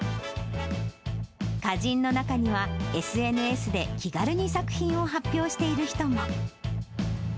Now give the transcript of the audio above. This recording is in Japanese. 歌人の中には、ＳＮＳで気軽に作品を発表している人が。